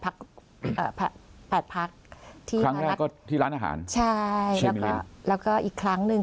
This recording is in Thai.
ครั้งแรกก็ที่ร้านอาหารใช่แล้วก็อีกครั้งนึง